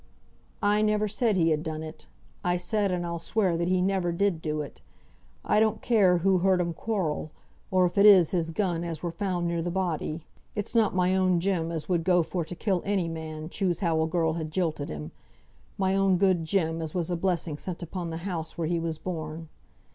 "I never said he had done it. I said, and I'll swear that he never did do it. I don't care who heard 'em quarrel, or if it is his gun as were found near the body. It's not my own Jem as would go for to kill any man, choose how a girl had jilted him. My own good Jem, as was a blessing sent upon the house where he was born."